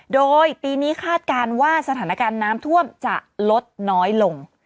โดยปีนี้คาดการณ์ว่าสถานการณ์น้ำท่วมจะลดน้อยลง